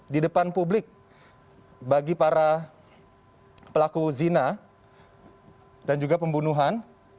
di depan publik bagi para pelaku zina dan juga pembunuhan